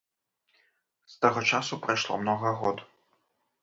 З таго часу прайшло многа год.